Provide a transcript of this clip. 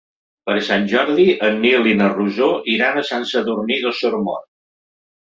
Per Sant Jordi en Nil i na Rosó iran a Sant Sadurní d'Osormort.